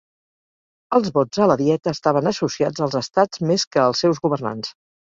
Els vots a la Dieta estaven associats als Estats més que als seus governants.